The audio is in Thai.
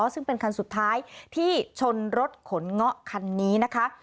ซึ่งเป็นคันสุดท้ายที่ชนรถขนเงาะคันนี้นะคะ